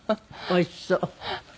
おいしそう。